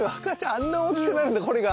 あんな大きくなるんだこれが。